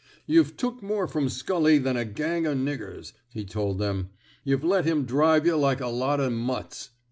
YuhVe took more from Scully than a gang o' nig gers,'' he told them. TuhVe let him drive yuh like a lot o' muts.